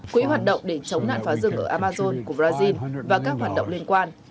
quỹ hoạt động để chống nạn phá rừng ở amazon của brazil và các hoạt động liên quan